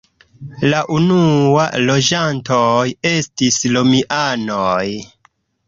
La unua loĝantoj estis romianoj.